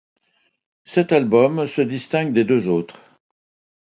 Cet album se distingue des deux autres.